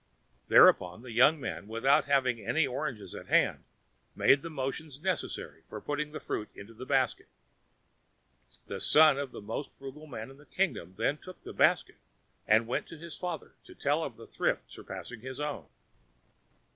Thereupon the young man, without having any oranges at hand, made the motions necessary for putting the fruit into the basket. The son of the most frugal man in the kingdom then took the basket and went to his father to tell of thrift surpassing his own.